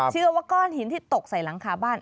เชื่อว่าก้อนหินที่ตกใส่หลังคาบ้าน